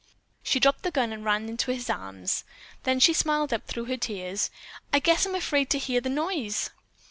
She dropped the gun and ran to his arms. Then she smiled up through her tears. "I guess I'm afraid to hear the noise."